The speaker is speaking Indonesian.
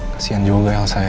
kasihan juga elsa ya